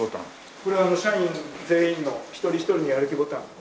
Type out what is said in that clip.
これ社員全員の一人一人のやる気ボタンがあって。